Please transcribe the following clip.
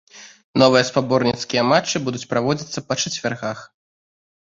Новыя спаборніцкія матчы будуць праводзіцца па чацвяргах.